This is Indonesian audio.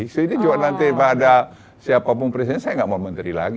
jadi nanti pada siapapun presiden saya nggak mau menteri lagi